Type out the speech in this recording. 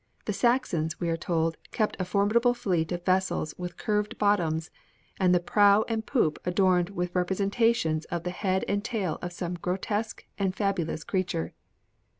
The Saxons, we are told, kept a formidable fleet of vessels with curved bottoms and the prow and poop adorned with representations of the head and tail of some grotesque and fabulous creature.